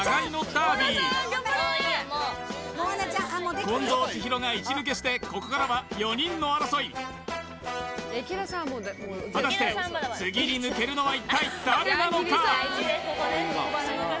ダービー近藤千尋がイチ抜けしてここからは４人の争い果たして次に抜けるのは一体誰なのか？